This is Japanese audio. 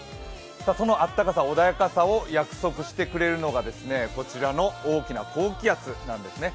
その暖かさ、穏やかさを約束してくれるのがこちらの大きな高気圧なんですね。